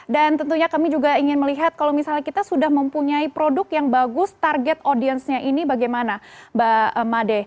dan tentunya kami juga ingin melihat kalau misalnya kita sudah mempunyai produk yang bagus target audience nya ini bagaimana mbak made